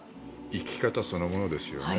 生き方そのものですよね